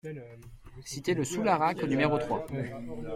Cité le Soularac au numéro trois